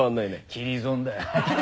切り損だよ。